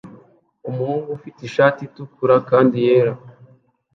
Umuhungu ufite ishati itukura kandi yera